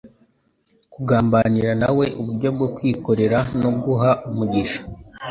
Kugambanira na we uburyo bwo kwikorera no guha umugisha